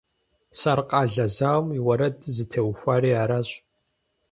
Саркъалэ зауэм и уэрэдыр зытеухуари аращ.